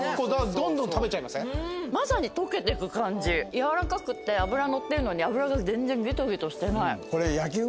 やわらかくって脂乗ってるのに脂が全然ぎとぎとしてない。